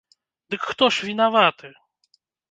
Дык хто ж вінаваты?